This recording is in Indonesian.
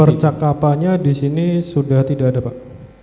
percakapannya di sini sudah tidak ada pak